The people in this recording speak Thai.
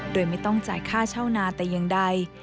โดยไม่ต้องจ่ายค่าเช่านาแต่อย่างใด